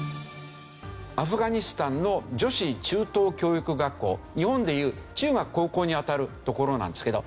アフガニスタンの女子中等教育学校日本でいう中学高校にあたるところなんですけど。